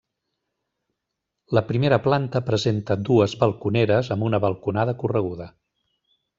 La primera planta presenta dues balconeres amb una balconada correguda.